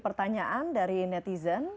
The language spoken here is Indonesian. pertanyaan dari netizen